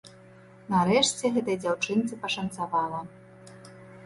Нарэшце гэтай дзяўчынцы пашанцавала.